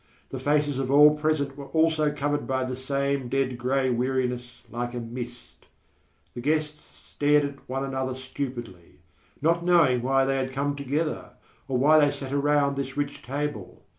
The faces of all present were also covered by the same dead grey weariness like a mist. The guests stared at one another stupidly, not knowing why they had come together or why they sat around this rich table.